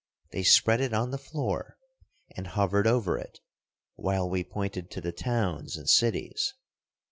They spread it on the floor, and hovered over it, while we pointed to the towns and cities.